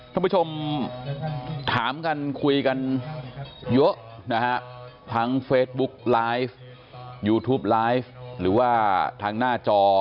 ท่านผู้ชมถามกันคุยกันเยอะนะฮะทั้งเฟซบุ๊กไลฟ์ยูทูปไลฟ์หรือว่าทางหน้าจอ